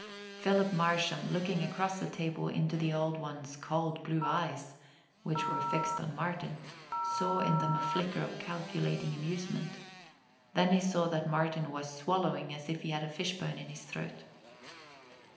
Phil Marsham, looking across the table into the Old One's cold blue eyes, which were fixed on Martin, saw in them a flicker of calculating amusement; then he saw that Martin was swallowing as if he had a fishbone in his throat.